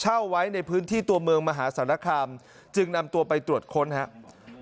เช่าไว้ในพื้นที่ตัวเมืองมหาสารคามจึงนำตัวไปตรวจค้นครับ